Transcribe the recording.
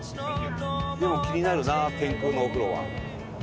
でも気になるな天空のお風呂は。